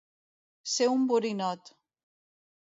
Ser un borinot.